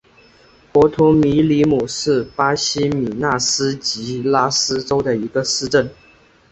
博图米里姆是巴西米纳斯吉拉斯州的一个市镇。